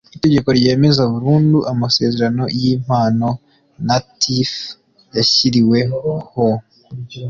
itegeko ryemeza burundu amasezerano y impano na tf yashyiriweho